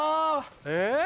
えっ？